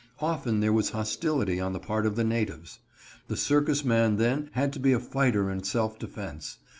Often there was hostility on the part of the natives. The circus man then had to be a fighter in selfdefense.